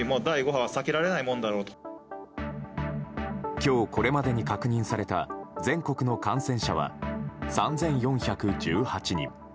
今日、これまでに確認された全国の感染者は３４１８人。